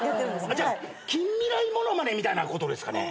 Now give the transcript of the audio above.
じゃあ近未来物まねみたいなことですかね。